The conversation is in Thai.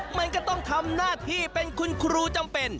มันก็ต้องทำหน้าที่เป็นคุณครูจำเป็น